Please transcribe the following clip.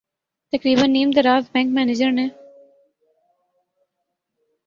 تقریبا نیم دراز بینک منیجر نے